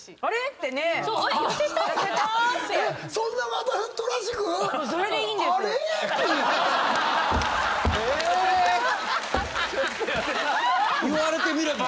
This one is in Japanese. そんなわざとらしく⁉言われてみれば！